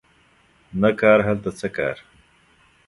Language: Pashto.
نه کار هلته څه کار